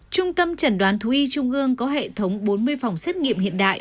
trung tâm chẩn đoán thú y trung ương có hệ thống bốn mươi phòng xét nghiệm hiện đại